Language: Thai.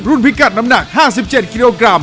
พิกัดน้ำหนัก๕๗กิโลกรัม